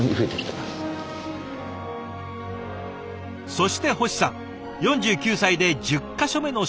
そして星さん４９歳で１０か所目の社食へ。